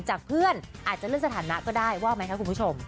จากเพื่อนอาจจะเลื่อนสถานะก็ได้ว่าไหมคะคุณผู้ชม